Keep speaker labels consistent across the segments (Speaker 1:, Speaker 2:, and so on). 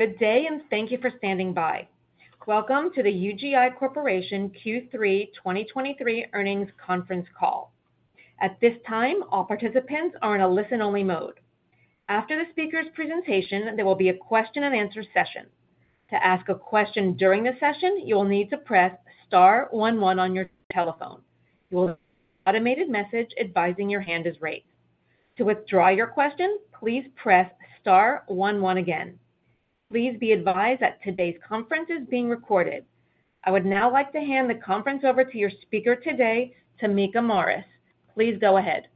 Speaker 1: Good day, thank you for standing by. Welcome to the UGI Corporation Q3 2023 Earnings Conference Call. At this time, all participants are in a listen-only mode. After the speaker's presentation, there will be a question-and-answer session. To ask a question during the session, you will need to press star one one on your telephone. You will automated message advising your hand is raised. To withdraw your question, please press star one one again. Please be advised that today's conference is being recorded. I would now like to hand the conference over to your speaker today, Tameka Morris. Please go ahead.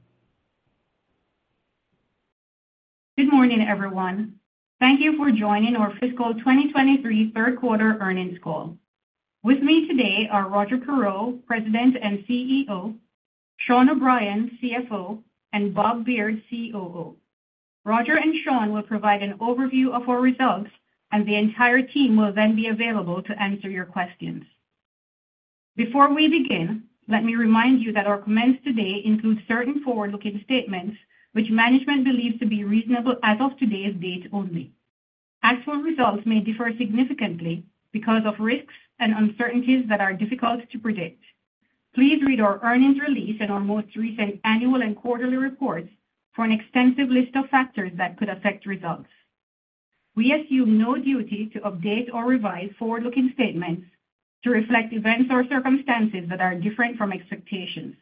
Speaker 2: Good morning, everyone. Thank you for joining our fiscal 2023 Q3 earnings call. With me today are Roger Perreault, President and CEO, Sean O’Brien, CFO, and Bob Beard, COO. Roger and Sean will provide an overview of our results, and the entire team will then be available to answer your questions. Before we begin, let me remind you that our comments today include certain forward-looking statements which management believes to be reasonable as of today's date only. Actual results may differ significantly because of risks and uncertainties that are difficult to predict. Please read our earnings release and our most recent annual and quarterly reports for an extensive list of factors that could affect results. We assume no duty to update or revise forward-looking statements to reflect events or circumstances that are different from expectations.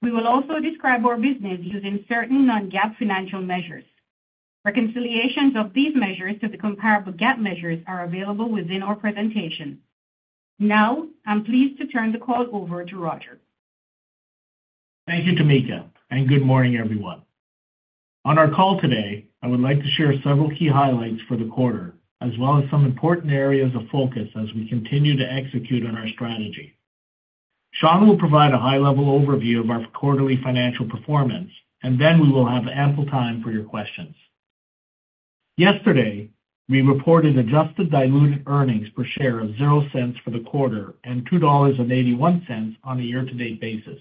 Speaker 2: We will also describe our business using certain non-GAAP financial measures. Reconciliations of these measures to the comparable GAAP measures are available within our presentation. Now, I'm pleased to turn the call over to Roger.
Speaker 3: Thank you, Tameka, and good morning, everyone. On our call today, I would like to share several key highlights for the quarter, as well as some important areas of focus as we continue to execute on our strategy. Sean will provide a high-level overview of our quarterly financial performance, and then we will have ample time for your questions. Yesterday, we reported adjusted diluted earnings per share of $0 for the quarter and $2.81 on a year-to-date basis.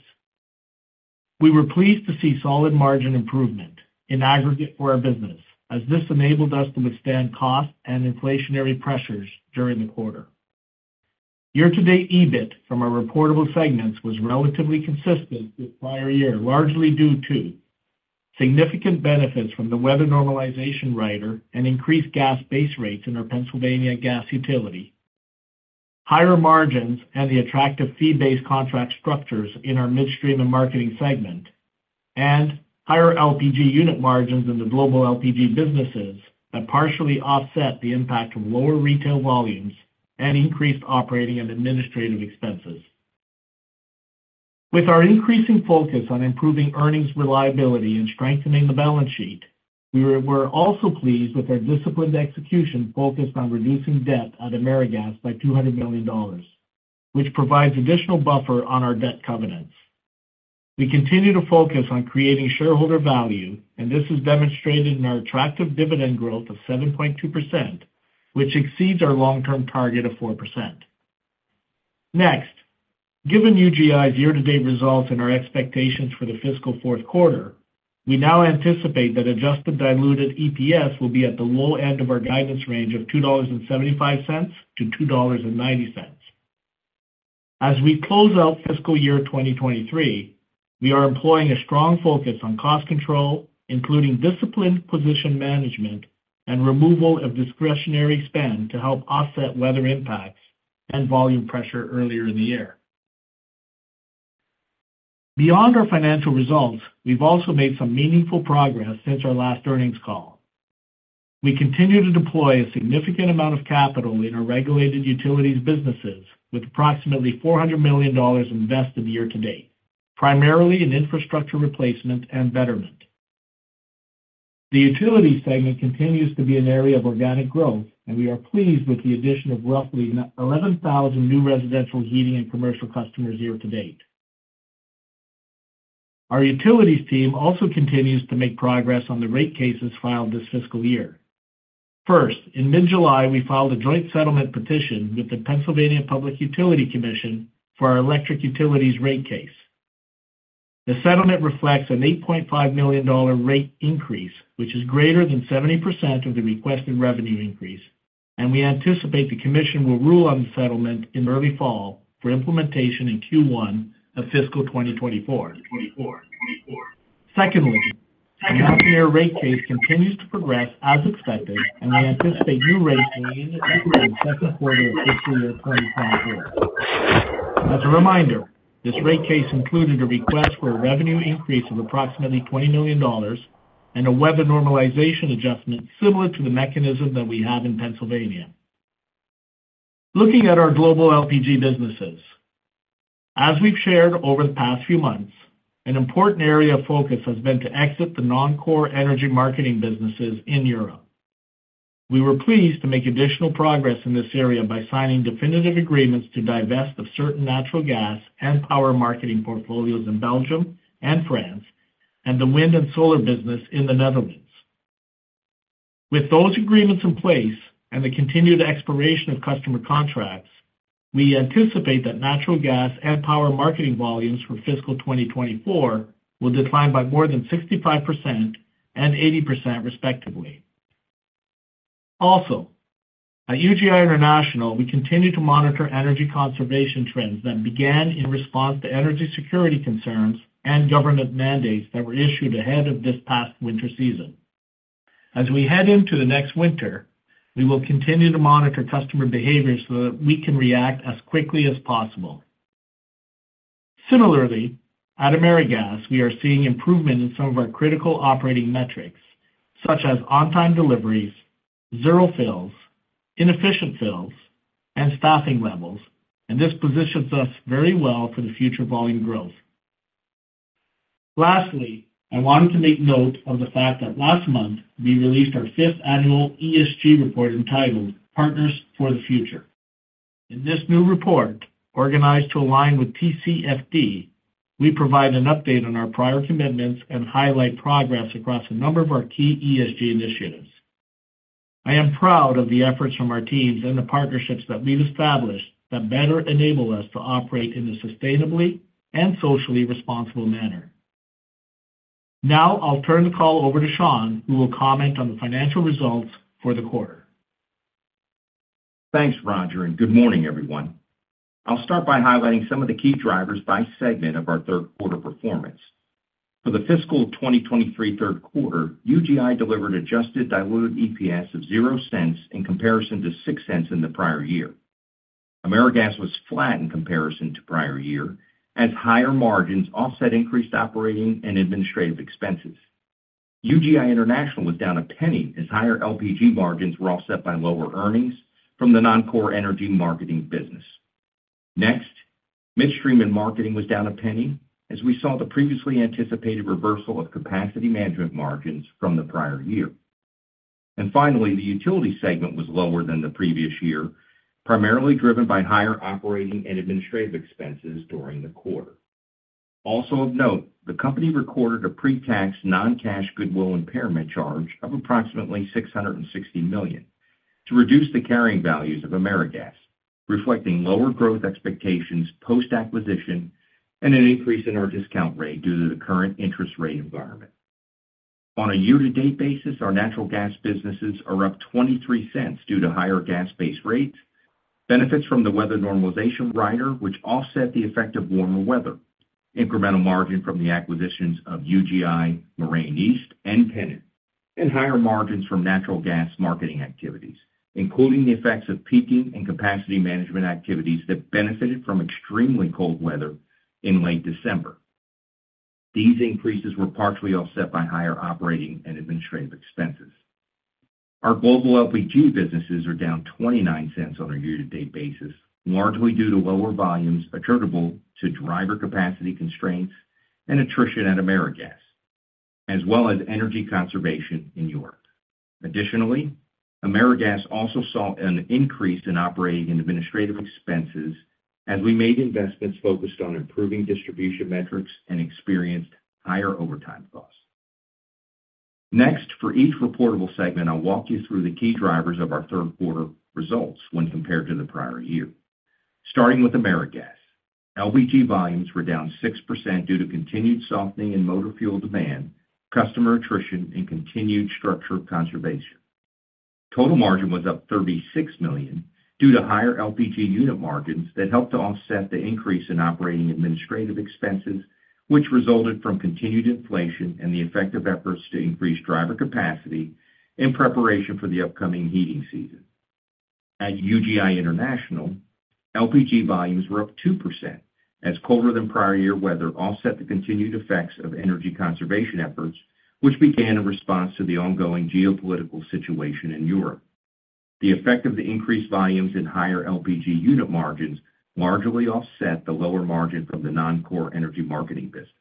Speaker 3: We were pleased to see solid margin improvement in aggregate for our business, as this enabled us to withstand cost and inflationary pressures during the quarter. Year-to-date, EBIT from our reportable segments was relatively consistent with prior year, largely due to significant benefits from the weather normalization rider and increased gas base rates in our Pennsylvania gas utility. Higher margins and the attractive fee-based contract structures in our Midstream & Marketing segment, and higher LPG unit margins in the global LPG businesses that partially offset the impact of lower retail volumes and increased operating and administrative expenses. With our increasing focus on improving earnings, reliability, and strengthening the balance sheet, we're also pleased with our disciplined execution focused on reducing debt at AmeriGas by $200 million, which provides additional buffer on our debt covenants. This is demonstrated in our attractive dividend growth of 7.2%, which exceeds our long-term target of 4%. Next, given UGI's year-to-date results and our expectations for the fiscal Q4, we now anticipate that adjusted diluted EPS will be at the low end of our guidance range of $2.75-$2.90. As we close out fiscal year 2023, we are employing a strong focus on cost control, including disciplined position management and removal of discretionary spend to help offset weather impacts and volume pressure earlier in the year. Beyond our financial results, we've also made some meaningful progress since our last earnings call. We continue to deploy a significant amount of capital in our regulated utilities businesses, with approximately $400 million invested year-to-date, primarily in infrastructure replacement and betterment. The utilities segment continues to be an area of organic growth, and we are pleased with the addition of roughly 11,000 new residential, heating, and commercial customers year-to-date. Our utilities team also continues to make progress on the rate cases filed this fiscal year. First, in mid-July, we filed a joint settlement petition with the Pennsylvania Public Utility Commission for our electric utilities rate case. The settlement reflects an $8.5 million rate increase, which is greater than 70% of the requested revenue increase. We anticipate the commission will rule on the settlement in early fall for implementation in Q1 of fiscal 2024. Secondly, the rate case continues to progress as expected. We anticipate new rates in the Q2 of fiscal year 2024. As a reminder, this rate case included a request for a revenue increase of approximately $20 million and a Weather Normalization Adjustment similar to the mechanism that we have in Pennsylvania. Looking at our global LPG businesses. As we've shared over the past few months, an important area of focus has been to exit the non-core energy marketing businesses in Europe. We were pleased to make additional progress in this area by signing definitive agreements to divest of certain natural gas and power marketing portfolios in Belgium and France and the wind and solar business in the Netherlands. With those agreements in place and the continued exploration of customer contracts. We anticipate that natural gas and power marketing volumes for fiscal 2024 will decline by more than 65% and 80%, respectively. Also, at UGI International, we continue to monitor energy conservation trends that began in response to energy security concerns and government mandates that were issued ahead of this past winter season. As we head into the next winter, we will continue to monitor customer behavior so that we can react as quickly as possible. Similarly, at AmeriGas, we are seeing improvement in some of our critical operating metrics, such as on-time deliveries, zero fills, inefficient fills, staffing levels, and this positions us very well for the future volume growth. Lastly, I wanted to make note of the fact that last month, we released our fifth annual ESG report, entitled Partners for the Future. In this new report, organized to align with TCFD, we provide an update on our prior commitments and highlight progress across a number of our key ESG initiatives. I am proud of the efforts from our teams and the partnerships that we've established that better enable us to operate in a sustainable and socially responsible manner. Now I'll turn the call over to Sean, who will comment on the financial results for the quarter.
Speaker 4: Thanks, Roger. Good morning, everyone. I'll start by highlighting some of the key drivers by segment of our Q3 performance. For the fiscal 2023 Q3, UGI delivered adjusted diluted EPS of $0 in comparison to $0.06 in the prior year. AmeriGas was flat in comparison to prior year, as higher margins offset increased operating and administrative expenses. UGI International was down $0.01, as higher LPG margins were offset by lower earnings from the noncore energy marketing business. Midstream & Marketing was down $0.01, as we saw the previously anticipated reversal of capacity management margins from the prior year. Finally, the utility segment was lower than the previous year, primarily driven by higher operating and administrative expenses during the quarter. Of note, the company recorded a pre-tax, non-cash goodwill impairment charge of approximately $660 million to reduce the carrying values of AmeriGas, reflecting lower growth expectations post-acquisition and an increase in our discount rate due to the current interest rate environment. On a year-to-date basis, our natural gas businesses are up $0.23 due to higher gas base rates, benefits from the weather normalization rider, which offset the effect of warmer weather, incremental margin from the acquisitions of UGI Moraine East and Pennant, and higher margins from natural gas marketing activities, including the effects of peaking and capacity management activities that benefited from extremely cold weather in late December. These increases were partially offset by higher operating and administrative expenses. Our global LPG businesses are down $0.29 on a year-to-date basis, largely due to lower volumes attributable to driver capacity constraints and attrition at AmeriGas, as well as energy conservation in Europe. Additionally, AmeriGas also saw an increase in operating and administrative expenses as we made investments focused on improving distribution metrics and experienced higher overtime costs. Next, for each reportable segment, I'll walk you through the key drivers of our Q3 results when compared to the prior year. Starting with AmeriGas. LPG volumes were down 6% due to continued softening in motor fuel demand, customer attrition, and continued structural conservation. Total margin was up $36 million due to higher LPG unit margins that helped to offset the increase in operating administrative expenses, which resulted from continued inflation and the effective efforts to increase driver capacity in preparation for the upcoming heating season. At UGI International, LPG volumes were up 2%, as colder than prior year weather offset the continued effects of energy conservation efforts, which began in response to the ongoing geopolitical situation in Europe. The effect of the increased volumes and higher LPG unit margins largely offset the lower margin from the noncore energy marketing business.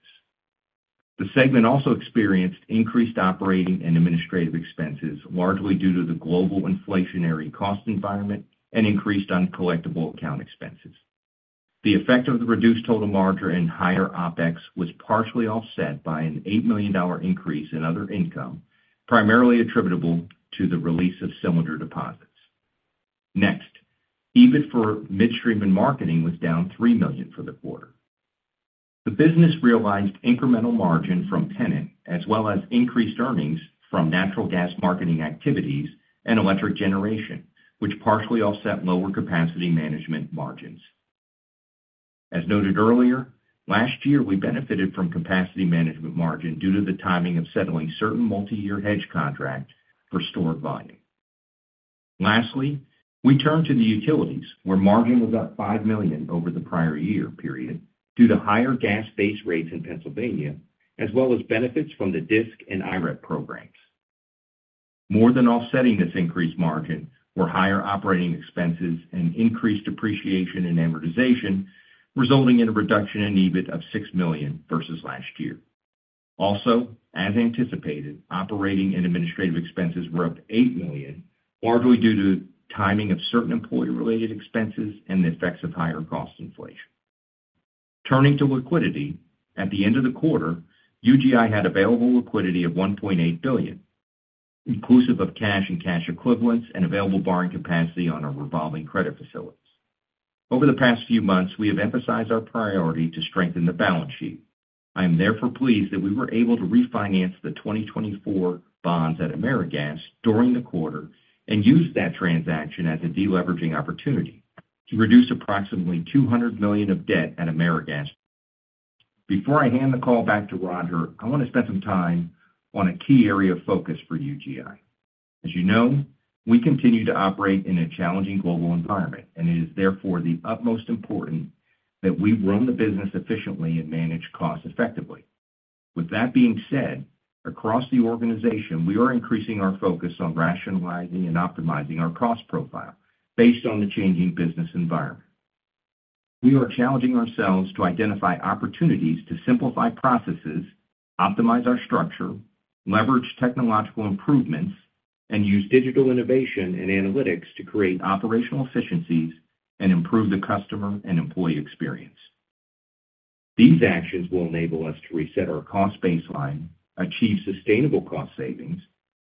Speaker 4: The segment also experienced increased operating and administrative expenses, largely due to the global inflationary cost environment and increased uncollectible account expenses. The effect of the reduced total margin and higher OpEx was partially offset by an $8 million increase in other income, primarily attributable to the release of cylinder deposits. Next, EBIT for Midstream & Marketing was down $3 million for the quarter. The business realized incremental margin from Pennant, as well as increased earnings from natural gas marketing activities and electric generation, which partially offset lower capacity management margins. As noted earlier, last year, we benefited from capacity management margin due to the timing of settling certain multiyear hedge contracts for stored volume. Lastly, we turn to the utilities, where margin was up $5 million over the prior year period due to higher gas base rates in Pennsylvania, as well as benefits from the DSIC and IREP programs. More than offsetting this increased margin were higher operating expenses and increased depreciation and amortization, resulting in a reduction in EBIT of $6 million versus last year. Also, as anticipated, operating and administrative expenses were up $8 million, largely due to timing of certain employee-related expenses and the effects of higher cost inflation. Turning to liquidity, at the end of the quarter, UGI had available liquidity of $1.8 billion, inclusive of cash and cash equivalents and available borrowing capacity on our revolving credit facilities. Over the past few months, we have emphasized our priority to strengthen the balance sheet. I am therefore pleased that we were able to refinance the 2024 bonds at AmeriGas during the quarter and use that transaction as a deleveraging opportunity to reduce approximately $200 million of debt at AmeriGas. Before I hand the call back to Roger, I want to spend some time on a key area of focus for UGI. As you know, we continue to operate in a challenging global environment, it is therefore the utmost importance that we run the business efficiently and manage costs effectively. With that being said, across the organization, we are increasing our focus on rationalizing and optimizing our cost profile based on the changing business environment. We are challenging ourselves to identify opportunities to simplify processes, optimize our structure, leverage technological improvements, and use digital innovation and analytics to create operational efficiencies and improve the customer and employee experience. These actions will enable us to reset our cost baseline, achieve sustainable cost savings,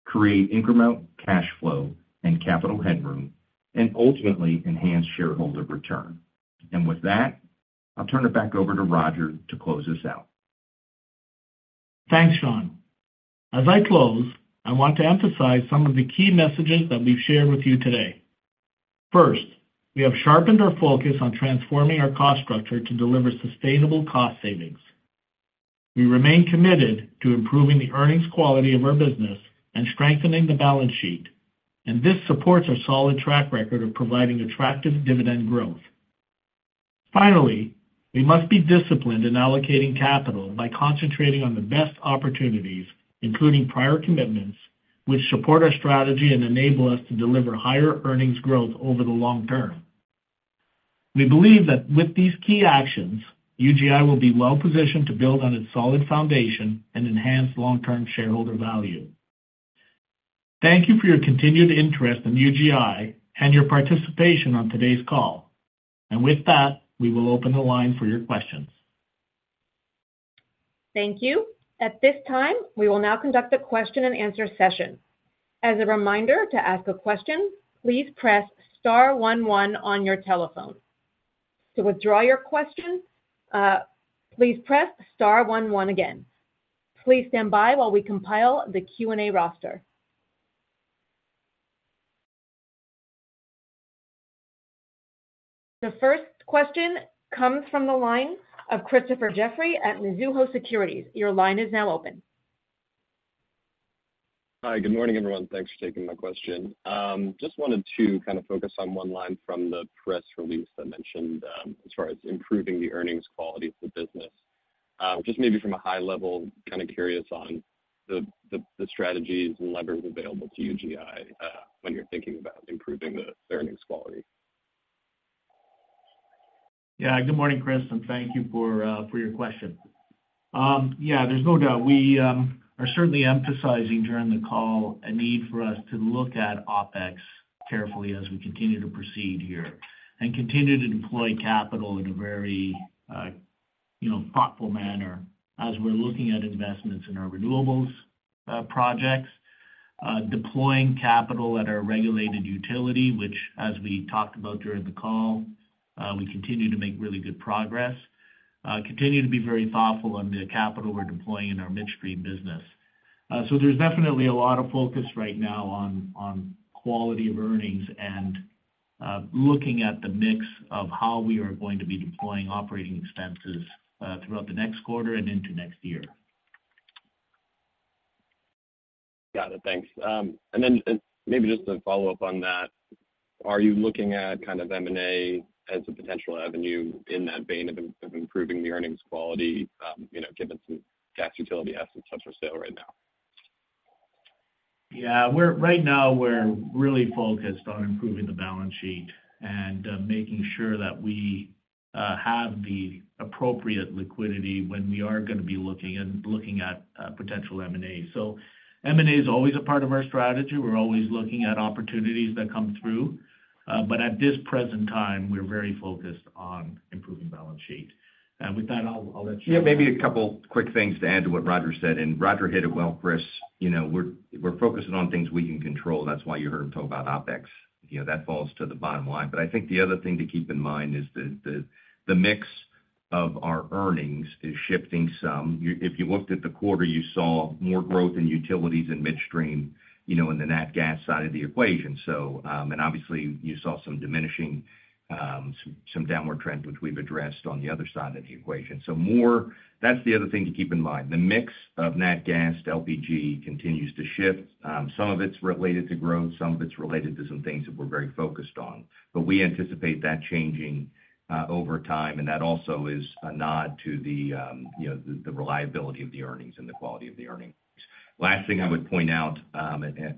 Speaker 4: create incremental cash flow and capital headroom, and ultimately enhance shareholder return. With that, I'll turn it back over to Roger to close us out.
Speaker 3: Thanks, Sean. As I close, I want to emphasize some of the key messages that we've shared with you today. First, we have sharpened our focus on transforming our cost structure to deliver sustainable cost savings. We remain committed to improving the earnings quality of our business and strengthening the balance sheet, and this supports our solid track record of providing attractive dividend growth. Finally, we must be disciplined in allocating capital by concentrating on the best opportunities, including prior commitments, which support our strategy and enable us to deliver higher earnings growth over the long term. We believe that with these key actions, UGI will be well-positioned to build on its solid foundation and enhance long-term shareholder value. Thank you for your continued interest in UGI and your participation on today's call. With that, we will open the line for your questions.
Speaker 1: Thank you. At this time, we will now conduct a question-and-answer session. As a reminder, to ask a question, please press star one, one on your telephone. To withdraw your question, please press star one, one again. Please stand by while we compile the Q&A roster. The first question comes from the line of Christopher Jeffrey at Mizuho Securities. Your line is now open.
Speaker 5: Hi, good morning, everyone. Thanks for taking my question. Just wanted to kind of focus on one line from the press release that mentioned, as far as improving the earnings quality of the business. Just maybe from a high level, kind of curious on the, the, the strategies and levers available to UGI, when you're thinking about improving the, the earnings quality.
Speaker 3: Yeah, good morning, Chris, and thank you for your question. Yeah, there's no doubt we are certainly emphasizing during the call a need for us to look at OpEx carefully as we continue to proceed here and deploy capital in a very, you know, thoughtful manner as we're looking at investments in our renewables projects, deploying capital at our regulated utility, which as we talked about during the call, we continue to make really good progress, continue to be very thoughtful on the capital we're deploying in our midstream business. There's definitely a lot of focus right now on quality of earnings and looking at the mix of how we are going to be deploying operating expenses throughout the next quarter and into next year.
Speaker 5: Got it. Thanks. Then maybe just to follow up on that, are you looking at kind of M&A as a potential avenue in that vein of, of improving the earnings quality, you know, given some gas utility assets up for sale right now?
Speaker 3: Yeah, we're right now, we're really focused on improving the balance sheet and, making sure that we, have the appropriate liquidity when we are gonna be looking and looking at, potential M&A. M&A is always a part of our strategy. We're always looking at opportunities that come through. But at this present time, we're very focused on improving balance sheet. With that, I'll let Sean.
Speaker 4: Yeah, maybe a couple quick things to add to what Roger said, and Roger hit it well, Chris. You know, we're, we're focusing on things we can control. That's why you heard him talk about OpEx. You know, that falls to the bottom line. I think the other thing to keep in mind is the, the, the mix of our earnings is shifting some. If you looked at the quarter, you saw more growth in utilities and midstream, you know, in the nat gas side of the equation. And obviously, you saw some diminishing, some downward trends, which we've addressed on the other side of the equation. That's the other thing to keep in mind. The mix of nat gas to LPG continues to shift. Some of it's related to growth, some of it's related to some things that we're very focused on, but we anticipate that changing over time, and that also is a nod to the, you know, the reliability of the earnings and the quality of the earnings. Last thing I would point out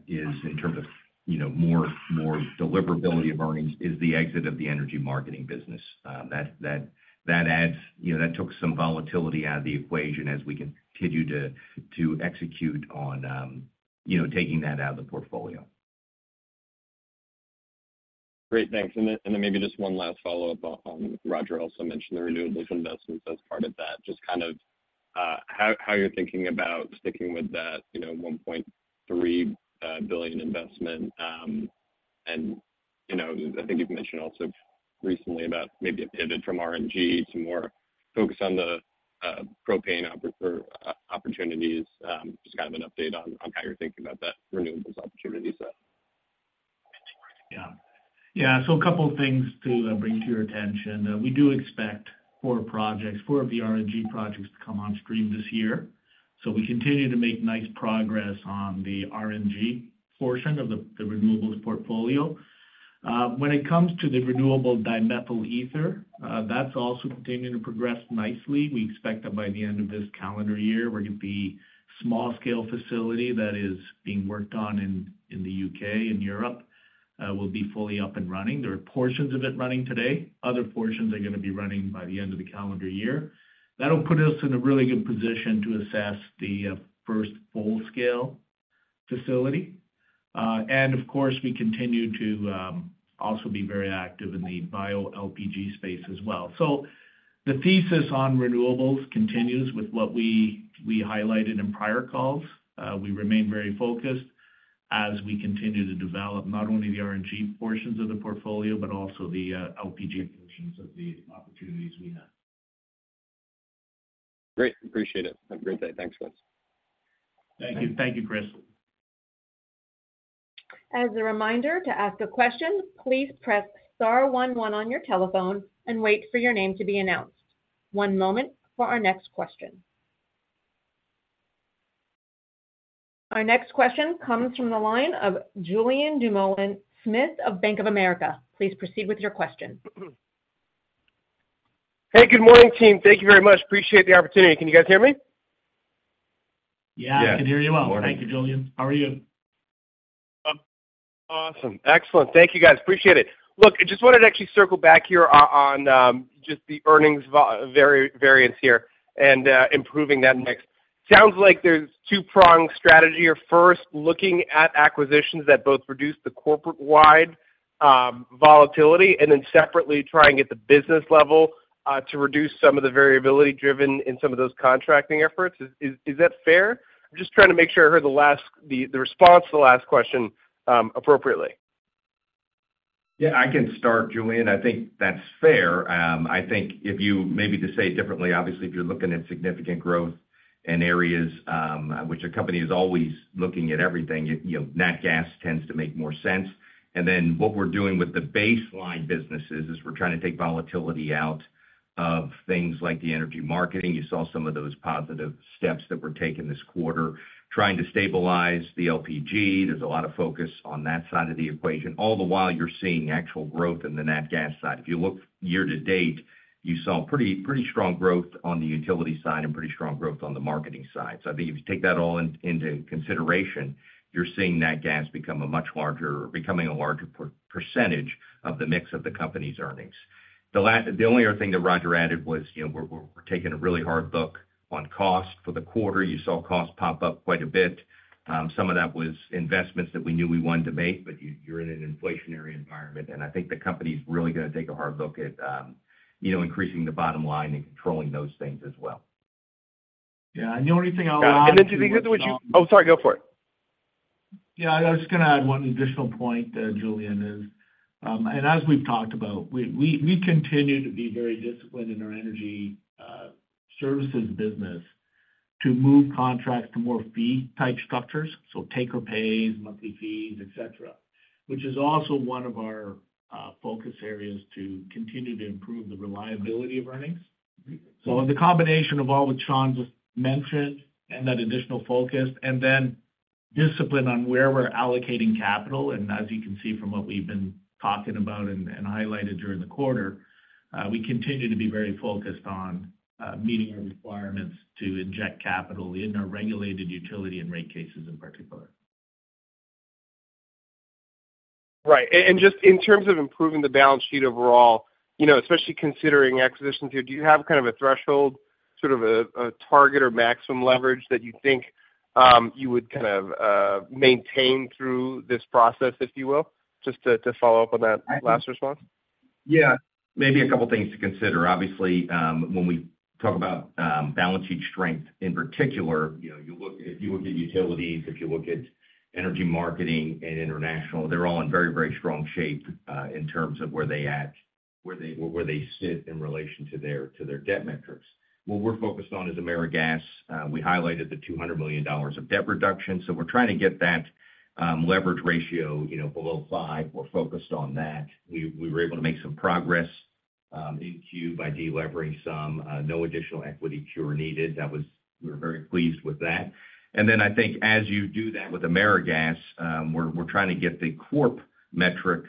Speaker 4: is in terms of, you know, more, more deliverability of earnings is the exit of the energy marketing business. You know, that took some volatility out of the equation as we continue to, to execute on, you know, taking that out of the portfolio.
Speaker 5: Great, thanks. Then, and then maybe just one last follow-up on Roger also mentioned the renewables investments as part of that. Just kind of, how you're thinking about sticking with that, you know, $1.3 billion investment. You know, I think you've mentioned also recently about maybe a pivot from RNG to more focus on the propane opportunities. Just kind of an update on, on how you're thinking about that renewables opportunity set.
Speaker 3: Yeah. Yeah, a couple of things to bring to your attention. We do expect four projects, four of the RNG projects to come on stream this year. We continue to make nice progress on the RNG portion of the renewables portfolio. When it comes to the renewable dimethyl ether, that's also continuing to progress nicely. We expect that by the end of this calendar year, we're going to be a small-scale facility that is being worked on in the UK and Europe, will be fully up and running. There are portions of it running today. Other portions are going to be running by the end of the calendar year. That'll put us in a really good position to assess the first full-scale facility. Of course, we continue to also be very active in the bioLPG space as well. The thesis on renewables continues with what we, we highlighted in prior calls. We remain very focused as we continue to develop not only the RNG portions of the portfolio, but also the LPG portions of the opportunities we have.
Speaker 5: Great, appreciate it. Have a great day. Thanks, guys.
Speaker 4: Thank you.
Speaker 3: Thank you, Chris.
Speaker 1: As a reminder, to ask a question, please press star one one on your telephone and wait for your name to be announced. One moment for our next question. Our next question comes from the line of Julien Dumoulin-Smith of Bank of America. Please proceed with your question.
Speaker 6: Hey, good morning, team. Thank you very much. Appreciate the opportunity. Can you guys hear me?
Speaker 3: Yeah, I can hear you well.
Speaker 4: Yes.
Speaker 3: Thank you, Julien. How are you?
Speaker 6: Awesome. Excellent. Thank you, guys. Appreciate it. Look, I just wanted to actually circle back here on just the earnings variance here and improving that mix. Sounds like there's a two-pronged strategy here. First, looking at acquisitions that both reduce the corporate-wide volatility, and then separately, trying at the business level to reduce some of the variability driven in some of those contracting efforts. Is that fair? I'm just trying to make sure I heard the response to the last question appropriately.
Speaker 4: Yeah, I can start, Julien. I think that's fair. I think maybe to say it differently, obviously, if you're looking at significant growth in areas, which a company is always looking at everything, you know, nat gas tends to make more sense. What we're doing with the baseline businesses is we're trying to take volatility out of things like the energy marketing. You saw some of those positive steps that were taken this quarter, trying to stabilize the LPG. There's a lot of focus on that side of the equation. All the while, you're seeing actual growth in the nat gas side. If you look year-to-date, you saw pretty, pretty strong growth on the utility side and pretty strong growth on the marketing side. I think if you take that all into consideration, you're seeing nat gas become a much larger becoming a larger percentage of the mix of the company's earnings. The only other thing that Roger added was, you know, we're, we're taking a really hard look on cost for the quarter. You saw costs pop up quite a bit. Some of that was investments that we knew we wanted to make, but you, you're in an inflationary environment, and I think the company's really going to take a hard look at, you know, increasing the bottom line and controlling those things as well.
Speaker 3: Yeah, the only thing I'll add to-
Speaker 6: Then did you. Oh, sorry, go for it.
Speaker 3: Yeah, I was just gonna add one additional point, Julien, is, as we've talked about, we, we, we continue to be very disciplined in our energy services business to move contracts to more fee-type structures, so take-or-pay, monthly fees, et cetera, which is also one of our focus areas to continue to improve the reliability of earnings. The combination of all what Sean just mentioned and that additional focus, and then discipline on where we're allocating capital, and as you can see from what we've been talking about and, and highlighted during the quarter, we continue to be very focused on, meeting our requirements to inject capital in our regulated utility and rate cases in particular.
Speaker 6: Right. Just in terms of improving the balance sheet overall, you know, especially considering acquisitions here, do you have kind of a threshold, sort of a, a target or maximum leverage that you think, you would kind of, maintain through this process, if you will? Just to, to follow up on that last response.
Speaker 4: Yeah. Maybe a couple of things to consider. Obviously, when we talk about balance sheet strength, in particular, you know, if you look at utilities, if you look at energy marketing and international, they're all in very, very strong shape in terms of where they sit in relation to their, to their debt metrics. What we're focused on is AmeriGas. We highlighted the $200 million of debt reduction, so we're trying to get that leverage ratio, you know, below 5. We're focused on that. We, we were able to make some progress in Q3 by delevering some, no additional equity cure needed. We're very pleased with that. Then I think as you do that with AmeriGas, we're, we're trying to get the corp metric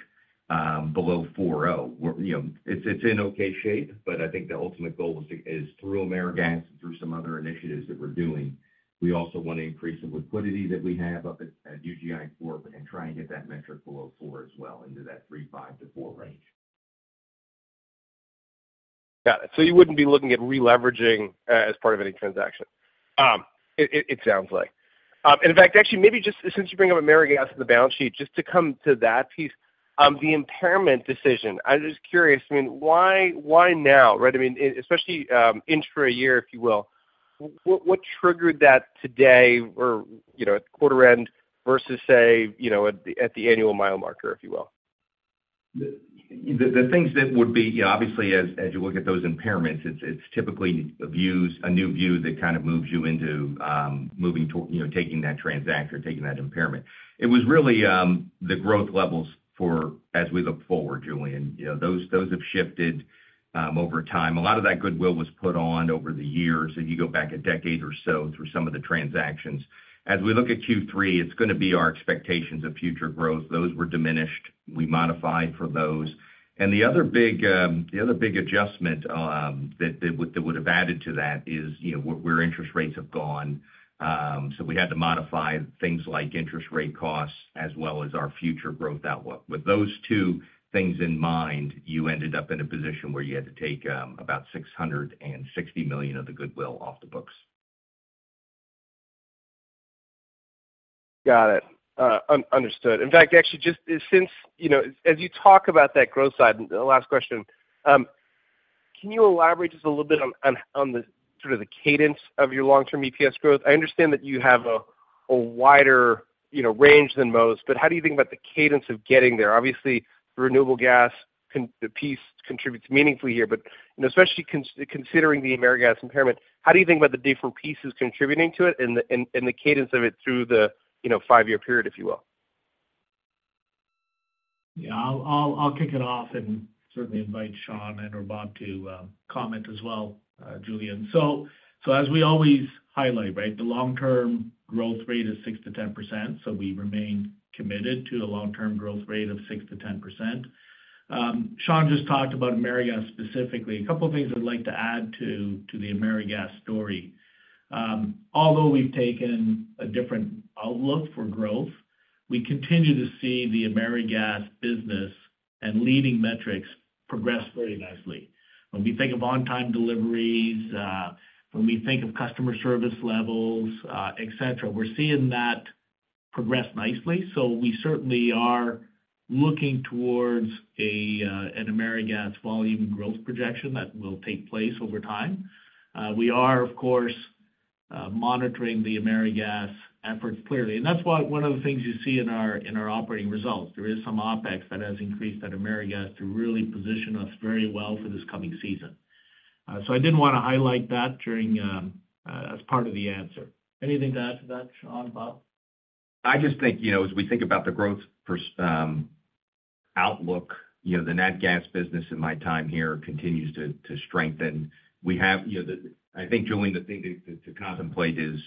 Speaker 4: below 4.0. You know, it's, it's in okay shape, but I think the ultimate goal is to, is through AmeriGas and through some other initiatives that we're doing, we also want to increase the liquidity that we have up at, at UGI Corp and try and get that metric below four as well, into that 3.5-4 range.
Speaker 6: Got it. You wouldn't be looking at re-leveraging as part of any transaction? It sounds like. In fact, actually, maybe just since you bring up AmeriGas and the balance sheet, just to come to that piece, the impairment decision. I'm just curious, I mean, why, why now, right? I mean, especially intra-year, if you will, what, what triggered that today or, you know, at the, at the annual mile marker, if you will?
Speaker 4: The, the things that would be, you know, obviously, as, as you look at those impairments, it's, it's typically a new view that kind of moves you into, moving to, you know, taking that transaction or taking that impairment. It was really, the growth levels for as we look forward, Julien. You know, those, those have shifted over time. A lot of that goodwill was put on over the years, if you go back a decade or so through some of the transactions. As we look at Q3, it's gonna be our expectations of future growth. Those were diminished. We modified for those. The other big, the other big adjustment, that, that would, that would have added to that is, you know, where, where interest rates have gone. We had to modify things like interest rate costs as well as our future growth outlook. With those two things in mind, you ended up in a position where you had to take about $660 million of the goodwill off the books.
Speaker 6: Got it. Understood. In fact, actually, just since, you know, as you talk about that growth side, the last question, can you elaborate just a little bit on, on, on the sort of the cadence of your long-term EPS growth? I understand that you have a, a wider, you know, range than most, but how do you think about the cadence of getting there? Obviously, renewable gas piece contributes meaningfully here, but, you know, especially considering the AmeriGas impairment, how do you think about the different pieces contributing to it and the, and, and the cadence of it through the, you know, five-year period, if you will?
Speaker 3: Yeah, I'll kick it off and certainly invite Sean and or Bob to comment as well, Julien. As we always highlight, right, the long-term growth rate is 6%-10%, so we remain committed to a long-term growth rate of 6%-10%. Sean just talked about AmeriGas specifically. A couple of things I'd like to add to the AmeriGas story. Although we've taken a different outlook for growth, we continue to see the AmeriGas business and leading metrics progress very nicely. When we think of on-time deliveries, when we think of customer service levels, et cetera, we're seeing that progress nicely. We certainly are looking towards an AmeriGas volume growth projection that will take place over time. We are, of course, monitoring the AmeriGas efforts clearly. That's why one of the things you see in our, in our operating results, there is some OpEx that has increased at AmeriGas to really position us very well for this coming season. So I did want to highlight that during as part of the answer. Anything to add to that, Sean, Bob?
Speaker 4: I just think, you know, as we think about the growth outlook, you know, the nat gas business in my time here continues to, to strengthen. We have, you know, I think, Julien, the thing to, to contemplate is,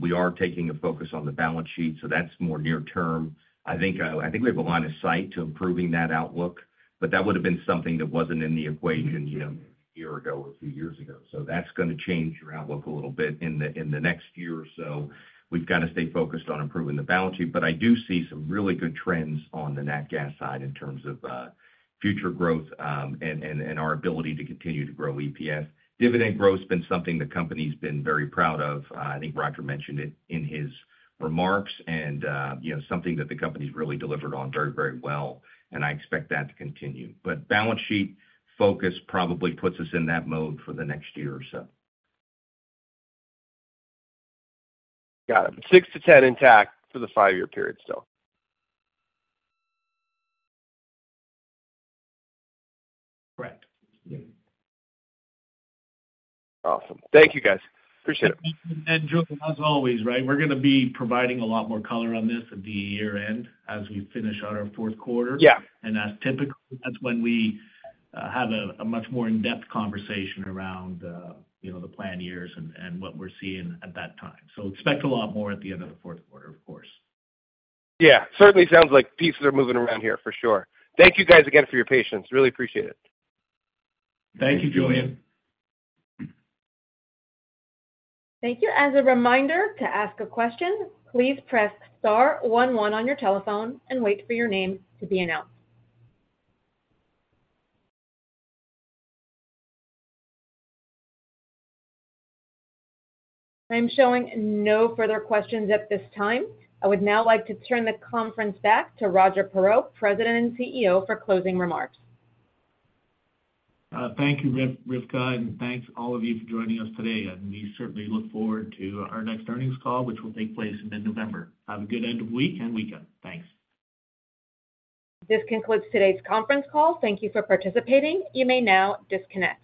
Speaker 4: we are taking a focus on the balance sheet, so that's more near term. I think, I think we have a line of sight to improving that outlook, but that would have been something that wasn't in the equation, you know, one year ago or a few years ago. That's gonna change your outlook a little bit in the, in the next year or so. We've got to stay focused on improving the balance sheet, but I do see some really good trends on the nat gas side in terms of future growth, and, and, and our ability to continue to grow EPS. Dividend growth has been something the company's been very proud of. I think Roger mentioned it in his remarks and, you know, something that the company's really delivered on very, very well, and I expect that to continue. Balance sheet focus probably puts us in that mode for the next year or so.
Speaker 6: Got it. 6-10 intact for the 5-year period, still?
Speaker 3: Correct. Yeah.
Speaker 6: Awesome. Thank you, guys. Appreciate it.
Speaker 3: Julien, as always, right, we're gonna be providing a lot more color on this at the year-end as we finish out our Q4.
Speaker 6: Yeah.
Speaker 3: As typical, that's when we have a much more in-depth conversation around, you know, the plan years and what we're seeing at that time. Expect a lot more at the end of the Q4, of course.
Speaker 6: Yeah, certainly sounds like pieces are moving around here for sure. Thank you guys again for your patience. Really appreciate it.
Speaker 3: Thank you, Julien.
Speaker 1: Thank you. As a reminder, to ask a question, please press star one one on your telephone and wait for your name to be announced. I'm showing no further questions at this time. I would now like to turn the conference back to Roger Perreault, President and CEO, for closing remarks.
Speaker 3: Thank you, Rivca, thanks all of you for joining us today. We certainly look forward to our next earnings call, which will take place in November. Have a good end of the week and weekend. Thanks.
Speaker 1: This concludes today's conference call. Thank you for participating. You may now disconnect.